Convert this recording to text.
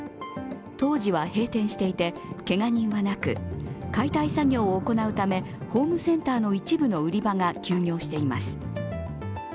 当時は閉店していて、けが人はなく解体作業を行うためホームセンターの一部の売り場が休業しています。